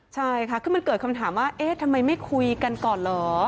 ใช่ค่ะคือมันเกิดคำถามว่าเอ๊ะทำไมไม่คุยกันก่อนเหรอ